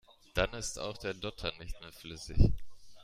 Dann ist auch der Dotter nicht mehr flüssig.